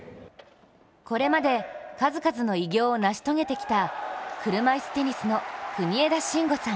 これまで数々の偉業を成し遂げてきた車いすテニスの国枝慎吾さん